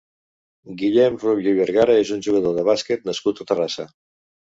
Guillem Rubio i Vergara és un jugador de bàsquet nascut a Terrassa.